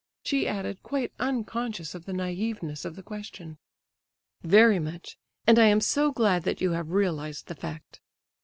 she added, quite unconscious of the naiveness of the question. "Very much; and I am so glad that you have realized the fact."